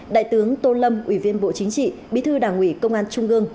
đại tướng tô lâm ủy viên bộ chính trị bí thư đảng ủy công an trung gương